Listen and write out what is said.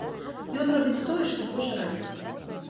Ён робіць тое, што хоча рабіць.